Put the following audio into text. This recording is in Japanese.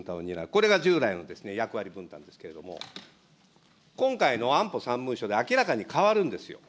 これが従来の役割分担ですけれども、今回の安保３文書で明らかに変わるんですよ。